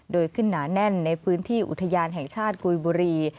โดยขึ้นหนาแน่นในพื้นที่อุทยานแห่งชาติกุยบุรี